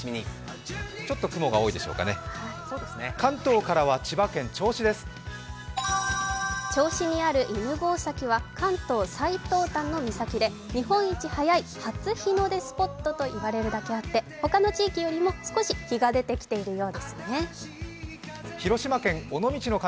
ちょっと雲が多いでしょう銚子にある関東最東端の岬では日本一早い初日の出スポットと言われるだけあって、他の地域よりも少し火が出てきていますね。